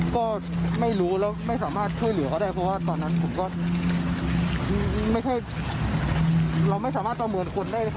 ก็ดื่มเหมือนกันผมไม่สามารถไปประมูลคนคนได้